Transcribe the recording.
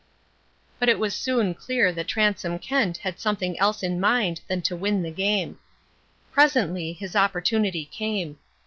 But it was soon clear that Transome Kent had something else in mind than to win the game. Presently his opportunity came.